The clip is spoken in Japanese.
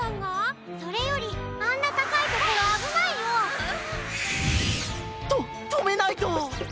それよりあんなたかいところあぶないよ！ととめないと！